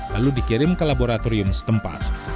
lalu dikirim ke laboratorium setempat